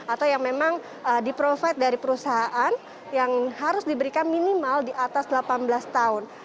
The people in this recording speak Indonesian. atau yang memang di provide dari perusahaan yang harus diberikan minimal di atas delapan belas tahun